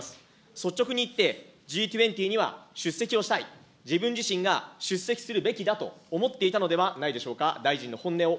率直に言ってＧ２０には出席をしたい、自分自身が出席するべきだと思っていたのではないでしょうか。